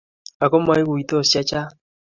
Ako maguitosi chechang